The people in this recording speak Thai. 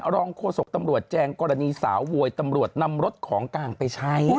โฆษกตำรวจแจงกรณีสาวโวยตำรวจนำรถของกลางไปใช้